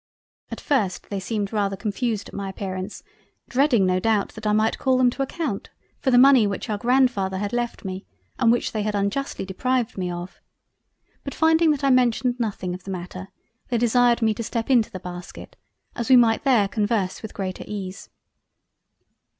At first they seemed rather confused at my appearance dreading no doubt that I might call them to account for the money which our Grandfather had left me and which they had unjustly deprived me of, but finding that I mentioned nothing of the Matter, they desired me to step into the Basket as we might there converse with greater ease.